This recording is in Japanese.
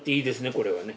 これはね。